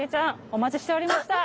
お待ちしておりました。